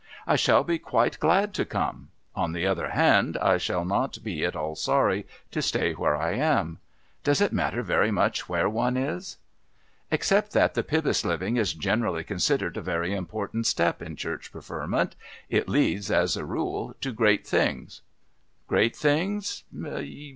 "I shall be quite glad to come. On the other hand, I shall not be at all sorry to stay where I am. Does it matter very much where one is?" "Except that the Pybus living is generally considered a very important step in Church preferment. It leads, as a rule, to great things." "Great things?